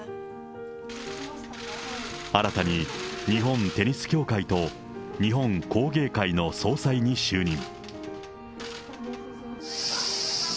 新たに日本テニス協会と、日本工芸会の総裁に就任。